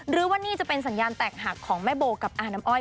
ว่านี่จะเป็นสัญญาณแตกหักของแม่โบกับอาน้ำอ้อย